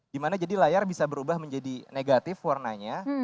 dimana jadi layar bisa berubah menjadi negatif warnanya